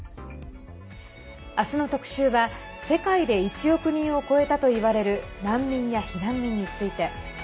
あすの特集は世界で１億人を超えたといわれる難民や避難民について。